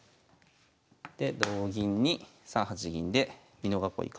で同銀に３八銀で美濃囲い